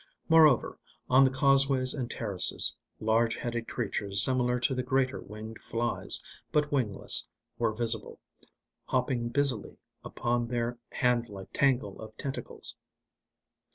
Moreover, on the causeways and terraces, large headed creatures similar to the greater winged flies, but wingless, were visible, hopping busily upon their hand like tangle of tentacles.